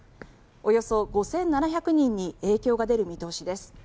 およそ５７００人に影響が出る見通しです。